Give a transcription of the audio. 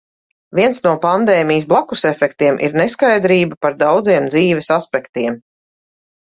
Viens no pandēmijas "blakusefektiem" ir neskaidrība par daudziem dzīves aspektiem.